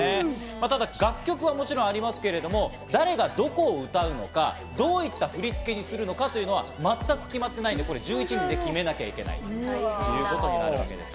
ただ楽曲はもちろんありますけど、誰がどこを歌うのか、どういった振り付けにするのかというのはまったく決まっていないので１１人で決めなきゃいけないということになるわけです。